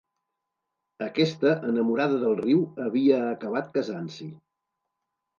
Aquesta, enamorada del riu, havia acabat casant-s'hi.